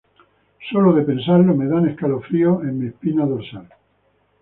Sólo de pensar en los envía escalofríos por mi espina dorsal.